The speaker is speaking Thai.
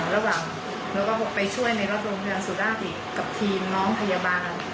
แล้วก็ไปช่วยในรถโรงพยาบาลสุราชอีกกับทีมน้องพยาบาล